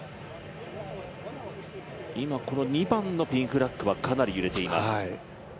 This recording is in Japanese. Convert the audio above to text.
今、この２番のピンフラッグはかなり揺れています。